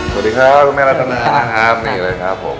สวัสดีครับคุณแม่รัตนานะครับนี่เลยครับผม